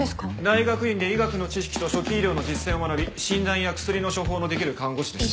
大学院で医学の知識と初期医療の実践を学び診断や薬の処方のできる看護師です。